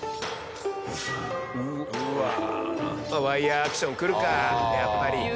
ワイヤアクション来るかやっぱり。